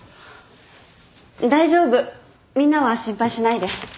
大丈夫みんなは心配しないで。